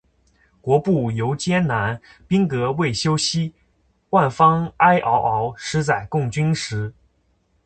国步犹艰难，兵革未休息。万方哀嗷嗷，十载供军食。